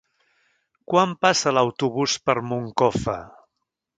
Quan passa l'autobús per Moncofa?